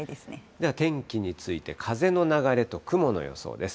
では天気について、風の流れと雲の予想です。